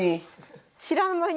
知らん間に。